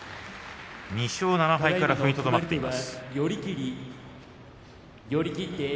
２勝７敗から踏みとどまっています。